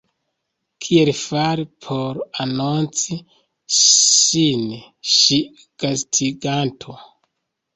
Kiel fari por anonci sin kiel gastiganto?